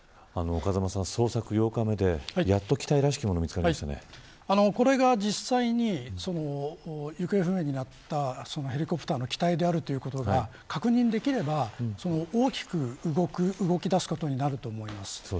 風間さん、捜索８日目でやっと機体らしきものがこれが実際に行方不明になったヘリコプターの機体であるということが確認できれば大きく動きだすことになると思います。